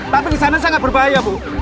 tapi disana sangat berbahaya bu